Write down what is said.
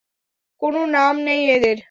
কোনো নাম নেই এদের।